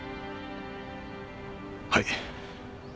はい。